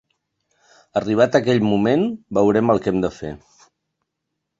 Arribat a aquell moment, veurem el que hem de fer.